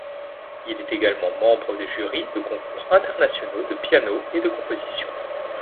Il est également membre de jury de concours internationaux de piano et de composition.